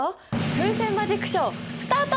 風船マジックショースタート！